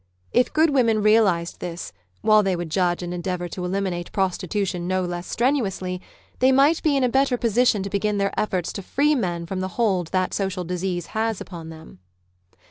If good women realised this, while they would judge and endeavour to eliminate prostitution no less strenuously, they might be in a better position to begin their efforts to free men from the hold that social disease has upon them.